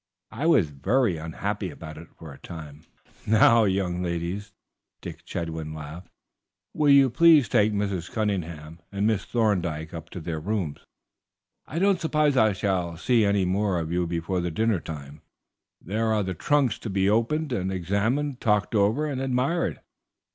I was very unhappy about it for a time." "Now, young ladies," Dick Chetwynd laughed, "will you please take Mrs. Cunningham and Miss Thorndyke up to their rooms? I don't suppose I shall see any more of you before dinner time; there are those trunks to be opened and examined, talked over, and admired.